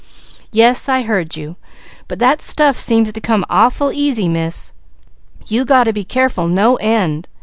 "Yes I heard you, but that stuff seems to come awful easy, Miss. You got to be careful no end.